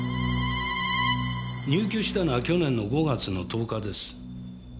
入居したのは去年の５月の１０日です。